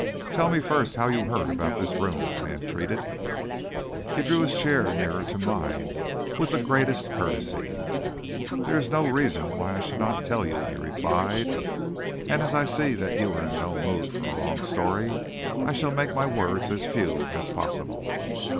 "Tell me first how you heard about this room?" I entreated. He drew his chair nearer to mine with the greatest courtesy. "There is no reason why I should not tell you," replied he, "and as I see that you are in no mood for a long story, I shall make my words as few as possible.